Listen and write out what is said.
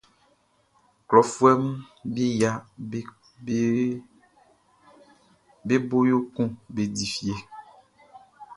Klɔfuɛʼm be yia be bo yo kun be di fie.